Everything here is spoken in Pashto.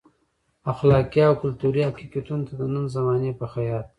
اخلاقي او کلتوري حقیقتونو ته د نن زمانې په خیاط.